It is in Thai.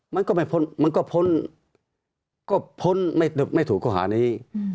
มันก็ไม่พ้นมันก็พ้นก็พ้นไม่ถูกข้อหานี้